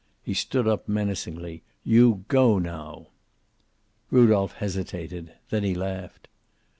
He stood up menacingly. "You go, now." Rudolph hesitated. Then he laughed.